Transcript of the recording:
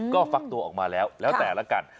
ก็ฟักตัวออกมาแล้วแล้วแต่ละกัน